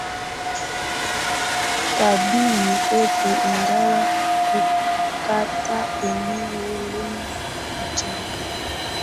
kambini kwetu ingawa kukata eneo lenye mchanga